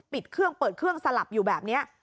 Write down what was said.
ปิดเครื่องเปิดเครื่องสลับอยู่แบบนี้